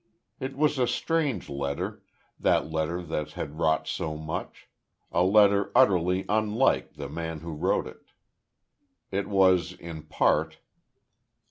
It was a strange letter, that letter that had wrought so much a letter utterly unlike the man who wrote it. It was, in part